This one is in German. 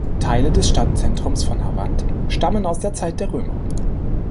Teile des Stadtzentrums von Havant stammen aus der Zeit der Römer.